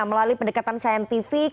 melalui pendekatan saintifik